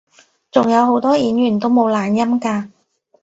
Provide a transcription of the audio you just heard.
仲有好多演員都冇懶音㗎